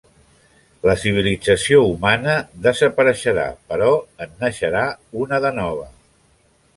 La civilització humana desapareixerà, però en naixerà una de nova.